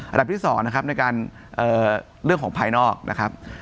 อันดับที่๒นะครับในการเรื่องของภายนอกนะครับ